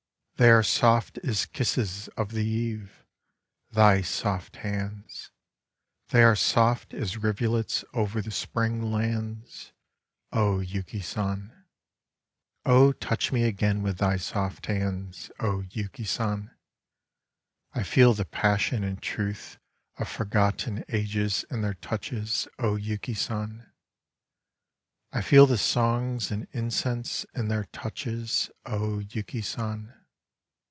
74 f^ose Poems They are soft as kisses of the eve, thy soft hands ; they are soft as rivulets over the Spring lands, O Yuki San ! Oh, touch me again with thy soft hands, O Yuki San ! I feel the passion and Truth of forgotten ages in their touches, O Yuki San ! I feel the songs and incense in their touches, O Yuki San